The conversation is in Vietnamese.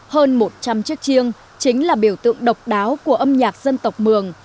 hơn một trăm linh chiếc chiêng chính là biểu tượng độc đáo của âm nhạc dân tộc mường